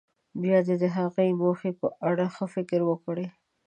بیا دې د هغې موخې په اړه ښه فکر وکړي.